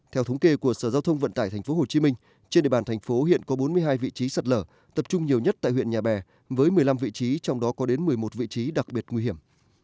theo thống kê của sở giao thông vận tải tp hcm trên địa bàn thành phố hiện có bốn mươi hai vị trí sạt lở tập trung nhiều nhất tại huyện nhà bè với một mươi năm vị trí trong đó có đến một mươi một vị trí đặc biệt nguy hiểm